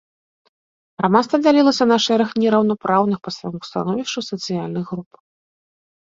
Грамадства дзяліліся на шэраг нераўнапраўных па свайму становішчу сацыяльных груп.